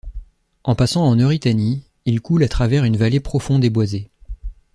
En passant en Eurytanie, il coule à travers une vallée profonde et boisée.